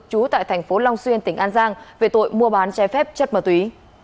chú tại thành phố long xuyên tỉnh an giang về tội mua bán chai phép chất ma túy